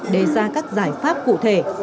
để ra các giải pháp cụ thể